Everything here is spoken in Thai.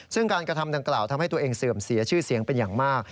ซึ่งการกระทำดังกล่าวทำให้ตัวเองเสื่อมเสียชื่อเสียงเป็นอย่างมาก